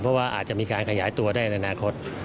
เพราะว่าอาจจะมีการขยายตัวได้ในอนาคต